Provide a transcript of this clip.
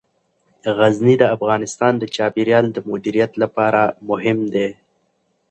غزني د افغانستان د چاپیریال د مدیریت لپاره مهم دي.